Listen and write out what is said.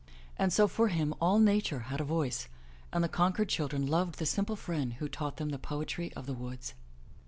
And so for him all Nature had a voice, and the Concord children loved the simple friend who taught them the poetry of the woods.